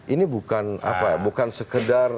ini bukan apa bukan sekedar